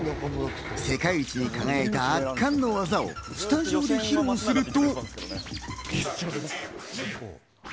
世界一に輝いた圧巻の技をスタジオで披露すると。